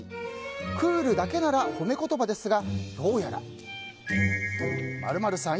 クールだけなら褒め言葉ですがどうやら○○さん